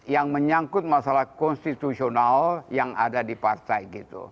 yang menyangkut masalah konstitusional yang ada di partai gitu